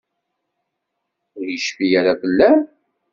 Ur yecfi ara fell-am?